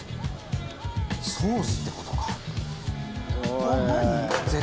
「ソースって事か」